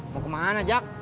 mau ke mana jak